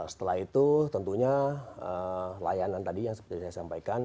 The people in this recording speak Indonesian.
setelah itu tentunya layanan tadi yang seperti saya sampaikan